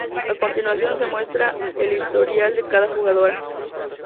A continuación se muestra el historial de cada jugadora.